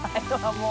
もう。